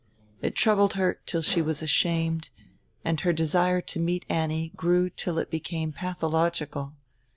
It troubled her till she was ashamed, and her desire to meet Annie grew till it became pathological.